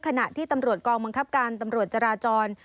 ขณะที่ตำรวจกองบังคับการตำรวจจราจร